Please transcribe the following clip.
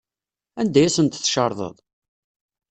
Anda ay asent-tcerḍeḍ?